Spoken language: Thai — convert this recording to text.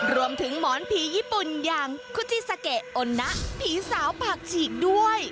หมอนผีญี่ปุ่นอย่างคุจิซาเกะโอนนะผีสาวปากฉีกด้วย